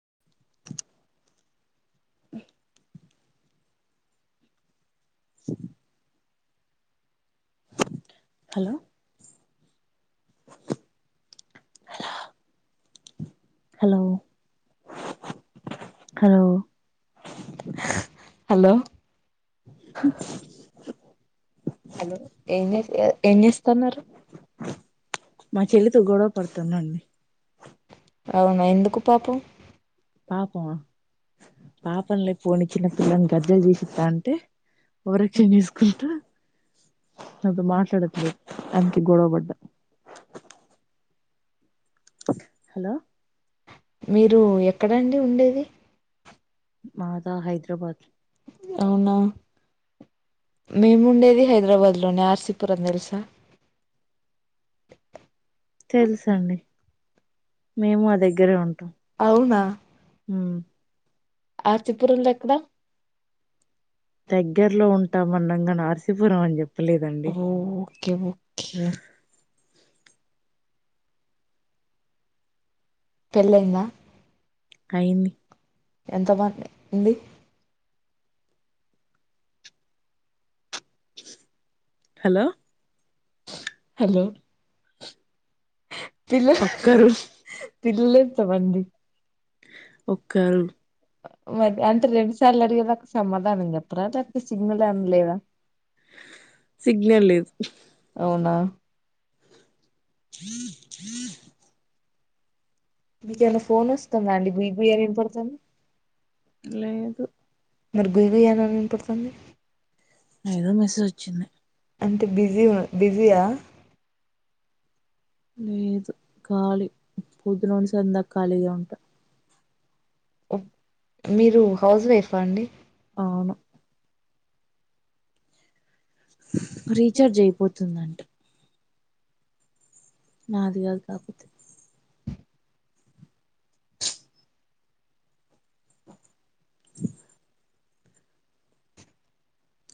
Eno audible ఉ hello hello hello hello hello ఏం ఏం చేస్తాన్నరు. మా చెల్లితో గొడవ పడతానండి. అవునా ఎందుకు పాపం పాపమ పాపంలే పోని చిన్న పిల్ల అని గజ్జాలు చేసిస్తా అంటే ఓవరక్షన్ చేసుకుంటూ అప్పుడు మాట్లాడట్లేదు దానికి గొడవబడ్డ హలో మీరు ఎక్కడండి ఉండేది. మాదా హైదరాబాద్ అవునా మేముండేది హైదరాబాద్ లోనే ఆర్సీపురం తెలుసా మేము ఆ దగ్గరే ఉంటాం. హ్ ఆర్సీపురం లో ఏక్కడ దగ్గరలో ఉంటాం. అన్నాం గానీ ఆర్సీపురం అని చెప్పలేదండి. పెళ్ళైందా అయింది ఎంత మంది. ఉండీ హలో హలో పిల్లలు పిల్లలేంతమంది. ఒక్కరు సిగ్నల్ లేదు. ీ ీ [unintelligible] మీకేమన్న ఫోన్ వస్తాందా అండి. గుయ్ గు య్యని వినపడుతుంది. మరి గుయ్ గుయ్యని వినపడుతుంది. ఏదో మెసేజ్ వచ్చింది. అంటే బిజీ బిజీయా లేదు. ఖాళీ పొద్దునుండి. సాయంత్రం దాకా ఖాళీగా ఉంటా మీరు హౌస్ వైఫా అండి. రీచార్జ్ అయిపోతుందంట. నాది గాదు కాపొతే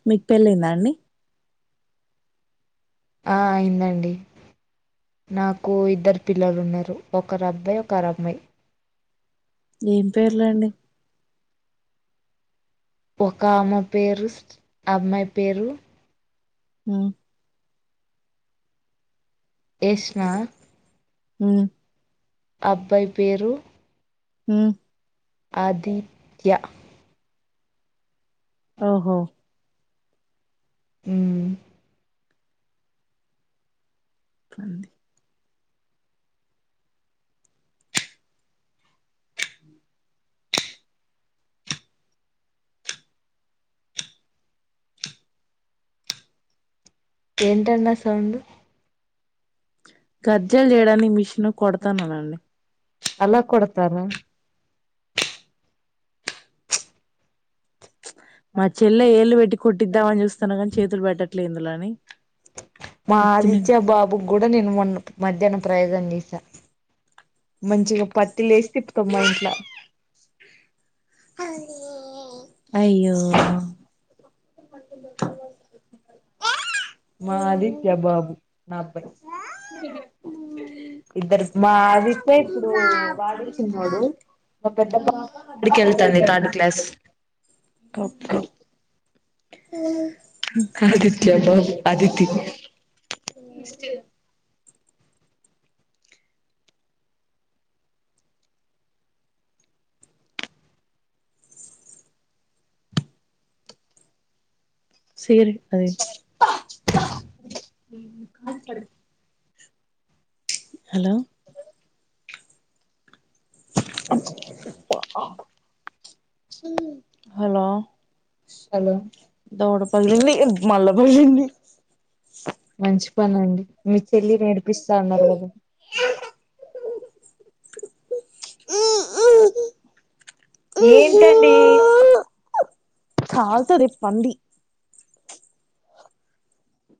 మీకు పెళ్ళైందా అండి ఆ అయిందండి నాకు ఇద్దరు పిల్లలు ఉన్నారు ఒకరు అబ్బాయి ఒకరు అమ్మాయి ఏం పేర్లండి ఒక ఆమ పేరు అమ్మాయి పేరు మ్ తీస్ మగ [unintelligible] మ్ అబ్బాయి పేరు హ ఆదిత్య ఓహో అ అంది ఏంటండి ఆ సౌండ్ గర్జాలు చేయడానికి మిషన్ కొడతానునండి మా చెల్లె ఏళ్ళు పెట్టి కొట్టిదాం అని చూస్తున్నా కానీ చేతులు పెట్టట్లే ఇందులోని మా ఆదిత్య బాబుకి కూడా నేను మొన్న మధ్యాహ్నం ప్రయోగం చేశా మంచిగా పత్తి లే వేస్త మా ఇంట్లో అదిే అయ్యో మా ఆదిత్య బాబు మా అబ్బాయి ఇద్దరు మా ఆదిత్య పెద్ద పాపకి బడికి యెల్తంది ఆ సర అదే హలో అబ్బా ఆ ఉమ్ హలో హలో మంచి పని అండి మీ చెల్లి నేడిపిస్తాన్నారు ఉ ఏంటండి కాల్తదే పంది